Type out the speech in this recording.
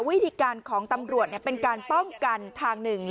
วิธีการของตำรวจเป็นการป้องกันทางหนึ่ง